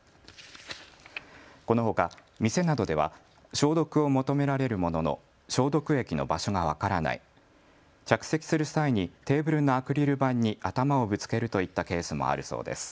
このほか店などでは消毒を求められるものの消毒液の場所が分からない、着席する際にテーブルのアクリル板に頭をぶつけるといったケースもあるそうです。